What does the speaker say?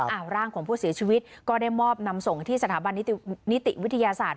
ร่างของผู้เสียชีวิตก็ได้มอบนำส่งที่สถาบันนิติวิทยาศาสตร์